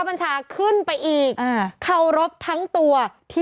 เพื่ออะไร